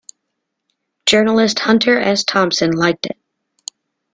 Journalist Hunter S. Thompson liked it.